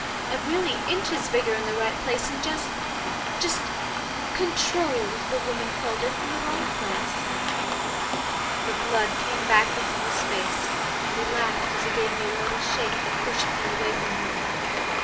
I'm really inches bigger in the right place, and just just 'controlled,' the woman called it, in the wrong place." The blood came back into his face, and he laughed as he gave me a little shake that pushed me away from him.